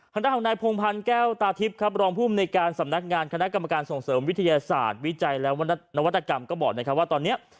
ทางด้านของนายพงพันธ์แก้วตาทิพย์ครับรองภูมิในการสำนักงานคณะกรรมการส่งเสริมวิทยาศาสตร์วิจัยและนวัตกรรมก็บอกนะครับว่าตอนนี้